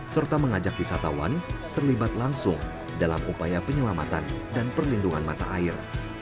serta mengajak wisatawan terlibat langsung dalam upaya penyelamatan dan perlindungan mata air